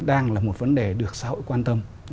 đang là một vấn đề được xã hội quan tâm